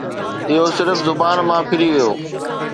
اهو صرف زبان مان ڦري ويو